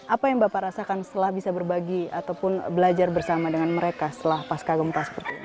apa yang bapak rasakan setelah bisa berbagi ataupun belajar bersama dengan mereka setelah pasca gempa seperti ini